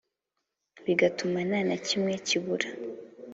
bigatuma nta na kimwe kibura.